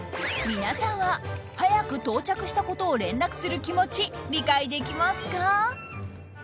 皆さんは早く到着したことを連絡する気持ち理解できますか？